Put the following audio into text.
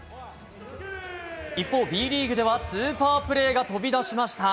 一方、Ｂリーグではスーパープレーが飛び出しました。